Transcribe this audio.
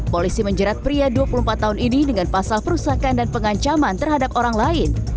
polisi menjerat pria dua puluh empat tahun ini dengan pasal perusakan dan pengancaman terhadap orang lain